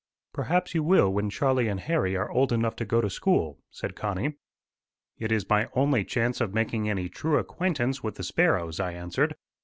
"Perhaps you will when Charlie and Harry are old enough to go to school," said Connie. "It is my only chance of making any true acquaintance with the sparrows," I answered.